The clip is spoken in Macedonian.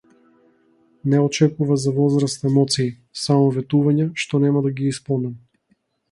Не очекува за возврат емоции, само ветувања, што нема да ги исполнам.